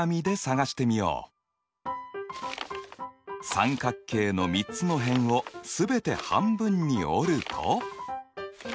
三角形の３つの辺を全て半分に折ると。